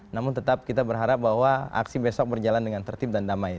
namun tetap kita berharap bahwa aksi besok berjalan dengan tertib dan damai